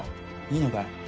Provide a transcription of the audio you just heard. いいのかよ。